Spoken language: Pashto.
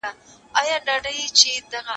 هغه څوک چي زده کړه کوي پوهه زياتوي،